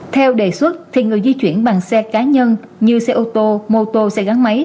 theo đề xuất thì người di chuyển bằng xe cá nhân như xe ô tô mô tô xe gắn máy